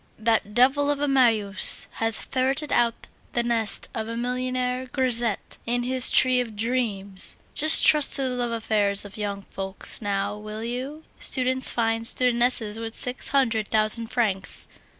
"That devil of a Marius has ferreted out the nest of a millionaire grisette in his tree of dreams! Just trust to the love affairs of young folks now, will you! Students find studentesses with six hundred thousand francs.